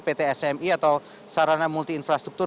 pt smi atau sarana multi infrastruktur